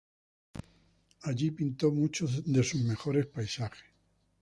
Allí pintó muchos de sus mejores paisajes.